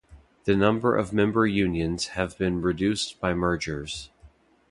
The number of member unions have been reduced by mergers.